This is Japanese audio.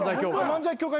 漫才協会